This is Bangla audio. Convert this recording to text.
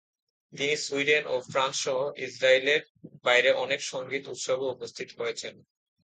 তিনি সুইডেন এবং ফ্রান্স সহ ইসরাইলের বাইরে অনেক সঙ্গীত উৎসবে উপস্থিত হয়েছেন।